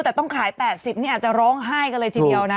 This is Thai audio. แต่ต้องขาย๘๐นี่อาจจะร้องไห้กันเลยทีเดียวนะ